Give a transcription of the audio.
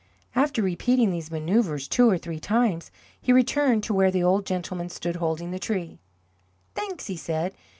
After repeating these manoeuvres two or three times, he returned to where the old gentleman stood holding the tree. "Thanks," he said.